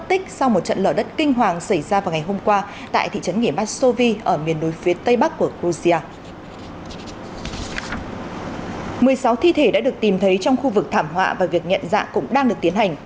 một mươi sáu thi thể đã được tìm thấy trong khu vực thảm họa và việc nhận dạng cũng đang được tiến hành